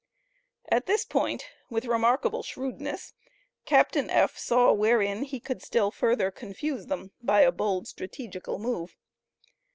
At this point, with remarkable shrewdness, Captain F. saw wherein he could still further confuse them by a bold strategical move.